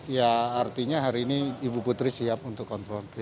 ya artinya hari ini ibu putri siap untuk konfrontir